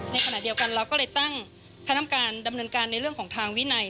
ในขณะเดียวกันเราก็เลยตั้งคณะกรรมการดำเนินการในเรื่องของทางวินัย